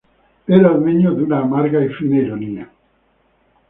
Era dueño de una amarga y fina ironía.